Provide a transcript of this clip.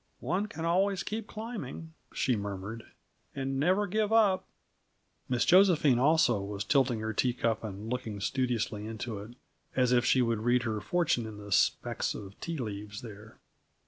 "One can always keep climbing," she murmured, "and never give up " Miss Josephine, also, was tilting her teacup and looking studiously into it as if she would read her fortune in the specks of tea leaves there.